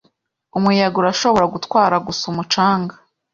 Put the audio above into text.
Umuyaga urashobora gutwara gusa umucanga